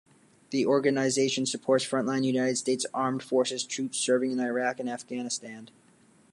The organization supports front-line United States Armed Forces troops serving in Iraq and Afghanistan.